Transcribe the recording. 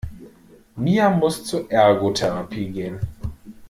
Mia muss zur Ergotherapie gehen.